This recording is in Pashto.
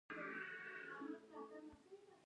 کله چې سوداګرۍ پراختیا پیدا کړه بانکونه ډېر شول